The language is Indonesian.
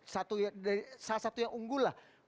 salah satu yang unggul lah